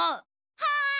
はい！